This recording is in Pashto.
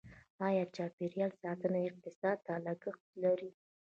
آیا چاپیریال ساتنه اقتصاد ته لګښت لري؟